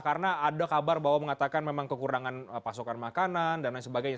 karena ada kabar bahwa mengatakan memang kekurangan pasokan makanan dan lain sebagainya